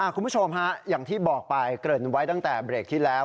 คุณผู้ชมฮะอย่างที่บอกไปเกริ่นไว้ตั้งแต่เบรกที่แล้ว